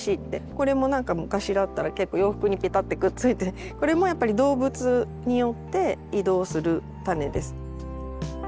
これもなんか昔だったら結構洋服にペタってくっついてこれもやっぱり動物によって移動する種です。